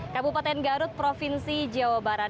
kabupaten garut provinsi jawa barat